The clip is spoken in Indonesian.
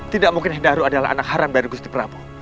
tidak mungkin hendaru adalah anak haram baru gusti prabowo